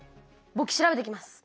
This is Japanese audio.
ぼく調べてきます。